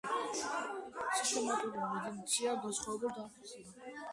სისტემატურმა მედიტაციამ განსხვავებები დააფიქსირა.